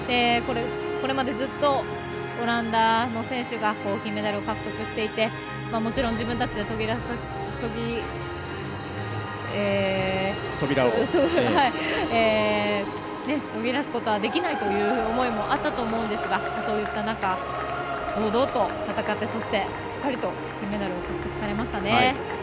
これまでずっとオランダの選手が金メダルを獲得していてもちろん自分たちで途切らすことはできないという思いもあったと思うんですがそういった中、堂々と戦って、そしてしっかりと金メダルを獲得されましたね。